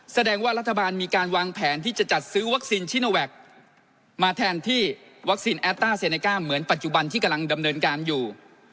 แสดงว่ารัฐบาลมีการวางแผนที่จะจัดซื้อวัคซีนชิโนแวคมาแทนที่วัคซีนแอสต้าเซเนก้าเหมือนปัจจุบันที่กำลังดำเนินการอยู่